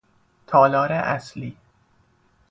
تالار اصلی